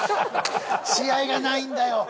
試合がないんだよ。